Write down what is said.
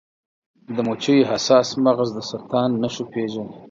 د مچیو حساس مغز د سرطان نښې پیژني.